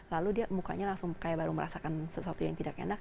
lalu dia mukanya langsung kayak baru merasakan sesuatu yang tidak enak